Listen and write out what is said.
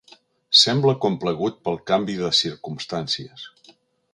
Sembla complagut pel canvi de circumstàncies.